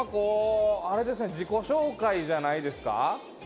自己紹介じゃないですか。